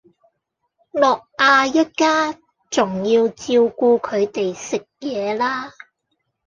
諾亞一家仲要照顧佢哋食嘢啦